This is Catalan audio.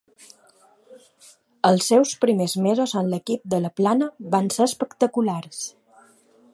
Els seus primer mesos amb l'equip de La Plana van ser espectaculars.